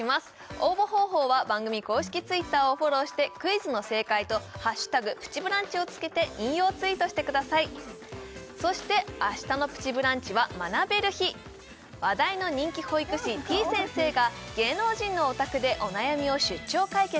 応募方法は番組公式Ｔｗｉｔｔｅｒをフォローしてクイズの正解と「＃プチブランチ」を付けて引用ツイートしてくださいそして明日の「プチブランチ」は学べる日話題の人気保育士てぃ先生が芸能人のお宅でお悩みを出張解決